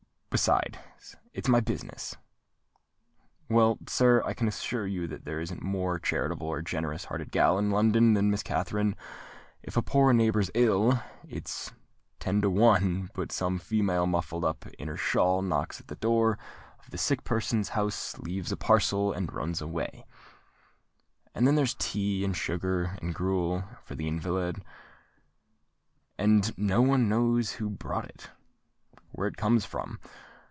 Besides, it's my business. Well, sir, I can assure you that there isn't a more charitable or generous hearted gal in all London than Miss Katherine. If a poor neighbour's ill, it's ten to one but some female muffled up in her shawl knocks at the door of the sick person's house, leaves a parcel, and runs away; and then there's tea, and sugar, and gruel, for the invalid—and no one knows who brought it, or where it comes from.